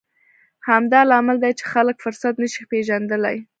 همدا لامل دی چې خلک فرصت نه شي پېژندلی.